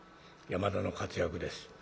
山田の活躍です。